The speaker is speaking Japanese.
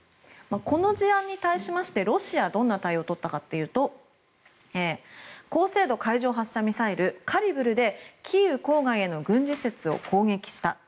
この事案に対しましてロシアはどんな対応をとったかというと高精度海上発射ミサイルカリブルでキーウ郊外の軍事施設を攻撃した。